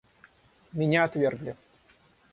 Меня отвергли.